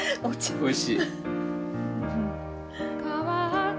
おいしい。